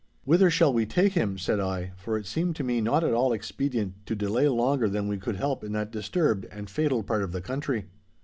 'Whither shall we take him?' said I, for it seemed to me not at all expedient to delay longer than we could help in that disturbed and fatal part of the country.